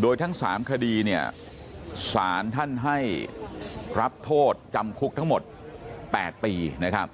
โดยทั้ง๓คดีเนี่ยสารท่านให้รับโทษจำคุกทั้งหมด๘ปีนะครับ